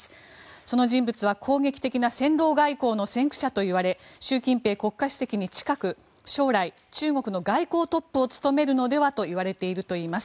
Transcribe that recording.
その人物は攻撃的な戦狼外交の先駆者といわれ習近平国家主席に近く将来、中国の外交トップを務めるのではといわれています。